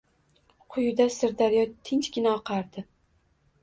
Quyida sirdaryo tinchgina oqardi